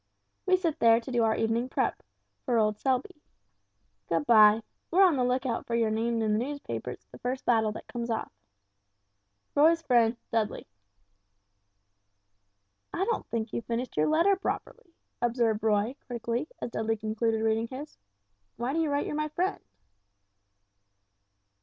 We sit there to do our evening prep: for old Selby. Good bye. We're on the lookout for your name in the newspapers the first battle that comes off. "Roy's friend, "DUDLEY." "I don't think you've finished your letter properly," observed Roy, critically, as Dudley concluded reading his. "Why do you write you're my friend?"